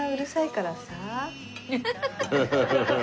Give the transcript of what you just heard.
ハハハハ。